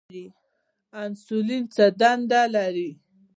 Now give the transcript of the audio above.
انسولین څه دنده لري؟